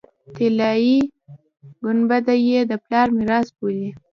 طلایي ګنبده یې د پلار میراث بولي.